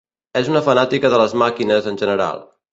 És una fanàtica de les màquines en general.